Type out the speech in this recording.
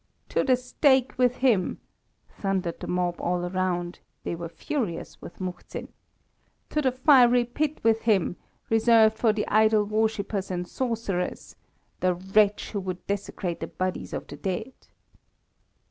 "To the stake with him!" thundered the mob all around; they were furious with Muhzin. "To the fiery pit with him reserved for the idol worshippers and sorcerers the wretch who would desecrate the bodies of the dead!"